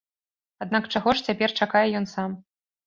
Аднак чаго ж цяпер чакае ён сам?